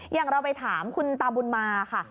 อย่างเราไปถามคุณตาบุญมาค่ะ